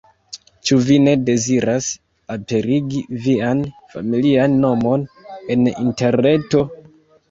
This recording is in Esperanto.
Ĉu vi ne deziras aperigi vian familian nomon en Interreto?